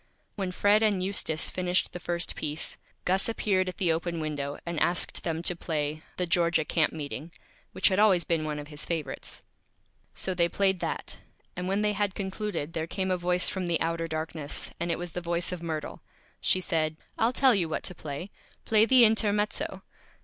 When Fred and Eustace finished the first Piece, Gus appeared at the open Window, and asked them to play "The Georgia Camp Meeting," which had always been one of his Favorites. So they played that, and when they had Concluded there came a Voice from the Outer Darkness, and it was the Voice of Myrtle. She said: "I'll tell you what to Play; play the Intermezzo."